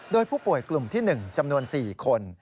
โดยผู้ป่วยกลุ่มที่๑จำนวน๔คน